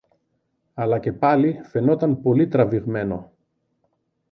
αλλά και πάλι φαινόταν πολύ τραβηγμένο